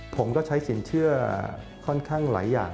ผมก็ใช้สินเชื่อค่อนข้างหลายอย่าง